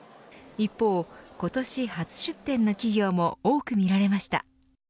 一方、今年初出展の企業も多く見られました。